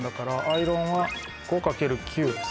アイロンかける。